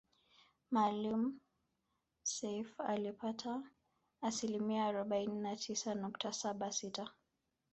Maalim Seif alipata asilimia arobaini na tisa nukta saba sita